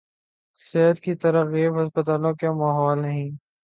صحت کی تراغیب ہسپتالوں کے ماحول نہیں